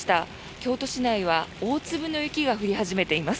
京都市内は大粒の雪が降り始めています。